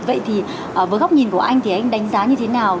vậy thì với góc nhìn của anh thì anh đánh giá như thế nào